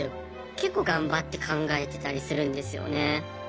結構頑張って考えてたりするんですよね。